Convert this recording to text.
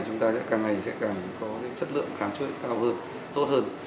chúng ta sẽ càng ngày càng có chất lượng khám trực cao hơn tốt hơn